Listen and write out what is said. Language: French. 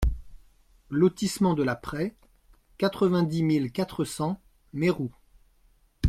Lotissement de la Praie, quatre-vingt-dix mille quatre cents Meroux